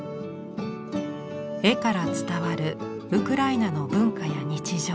絵から伝わるウクライナの文化や日常。